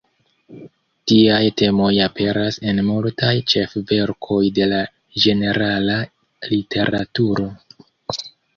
Tiaj temoj aperas en multaj ĉef-verkoj de la generala literaturo.